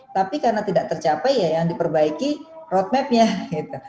tapi karena tidak tercapai ya yang diperbaiki roadmapnya gitu